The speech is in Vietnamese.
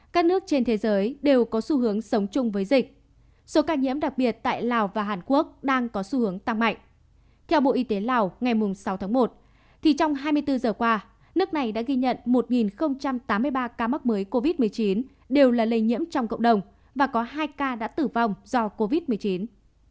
các bạn hãy đăng ký kênh để ủng hộ kênh của chúng mình nhé